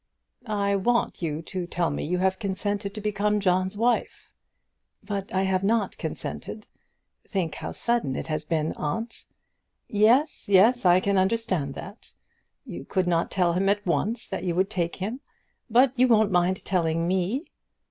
"I want you to tell me you have consented to become John's wife." "But I have not consented. Think how sudden it has been, aunt!" "Yes, yes; I can understand that. You could not tell him at once that you would take him; but you won't mind telling me."